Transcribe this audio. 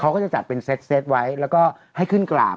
เขาก็จะจัดเป็นเซตไว้แล้วก็ให้ขึ้นกราบ